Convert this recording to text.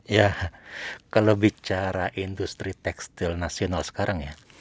ya kalau bicara industri tekstil nasional sekarang ya